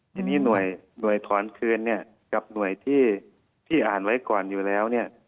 ทีนี้หน่วยถอนคืนกับหน่วยที่อ่านไว้ก่อนอยู่แล้ว